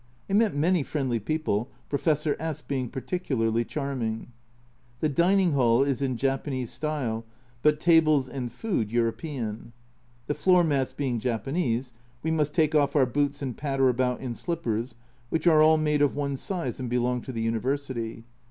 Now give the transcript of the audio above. I met many friendly people, Professor S being particularly charming. The dining hall is in Japanese style, but tables and food European. The floor mats being Japanese, we must take off our boots and patter about in slippers, which are all made of one size and belong to the University.